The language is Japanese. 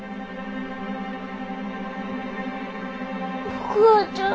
お母ちゃん。